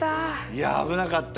いや危なかったよ。